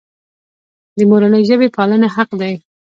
د مورنۍ ژبې پالنه حق دی.